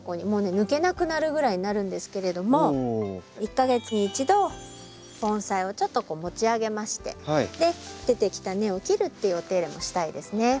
もうね抜けなくなるぐらいになるんですけれども１か月に１度盆栽をちょっとこう持ち上げまして出てきた根を切るっていうお手入れもしたいですね。